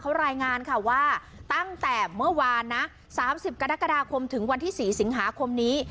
เขารายงานค่ะว่าตั้งแต่เมื่อวานนะ๓๐กรกฎาคมถึงวันที่๔สิงหาคมนี้